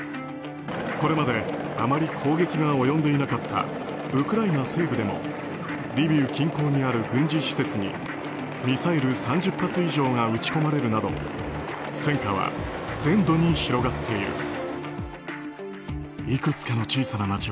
これまであまり攻撃が及んでいなかったウクライナ西部でもリビウ近郊にある軍事施設にミサイル３０発以上が撃ち込まれるなど戦火は全土に広がっている。